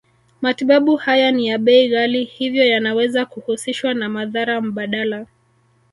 Matibabu haya ni ya bei ghali hivyo yanaweza kuhusishwa na madhara mbadala